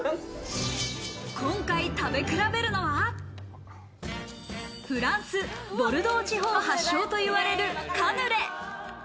今回食べ比べるのは、フランス・ボルドー地方発祥といわれるカヌレ。